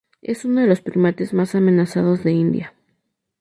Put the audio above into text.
Es uno de los primates más amenazados de India.